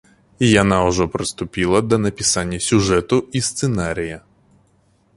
Яна ўжо прыступіла да напісання сюжэту і сцэнарыя.